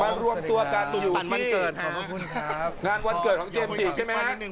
รวมตัวกันอยู่ที่งานวันเกิดของเจมส์จิใช่ไหมฮะ